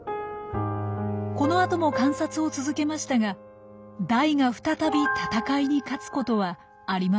この後も観察を続けましたがダイが再び戦いに勝つことはありませんでした。